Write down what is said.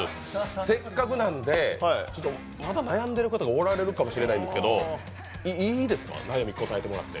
せっかくなんでまだ悩んでいる方がおられるかもしれないんですけど、いいですか、悩みに答えてもらって。